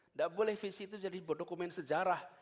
tidak boleh visi itu jadi dokumen sejarah